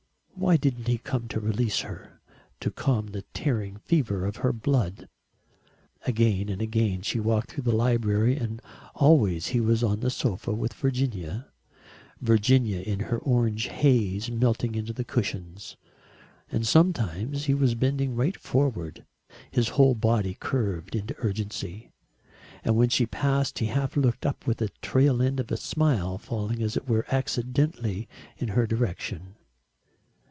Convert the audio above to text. Why didn't he come to release her, to calm the tearing fever of her blood? Again and again she walked through the library and always he was on the sofa with Virginia Virginia in her orange haze melting into cushions; and sometimes he was bending right forward, his whole body curved into urgency. And when she passed, he half looked up with the tail end of a smile falling as it were accidentally in her direction.